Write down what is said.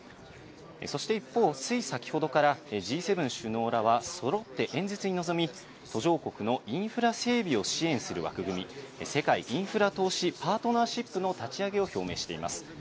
そして一方、つい先ほどからＧ７首脳らはそろって演説に臨み、途上国のインフラ整備を支援する枠組み、世界インフラ投資パートナーシップの立ち上げを表明しています。